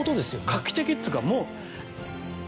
画期的っていうかもう。